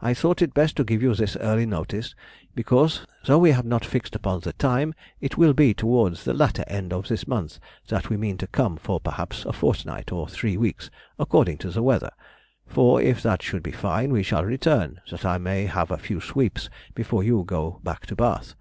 I thought it best to give you this early notice, because, though we have not fixed upon the time, it will be towards the latter end of this month that we mean to come for perhaps a fortnight or three weeks, according to the weather; for, if that should be fine we shall return, that I may have a few sweeps before you go back to Bath.